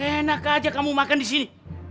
enak aja kamu makan di sini